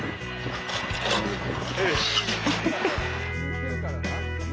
よし。